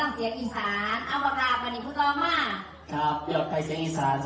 แม่งคำตอบแม่งคำชี่ชเน็ต